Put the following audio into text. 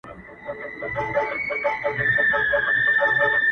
او ستا د خوب مېلمه به_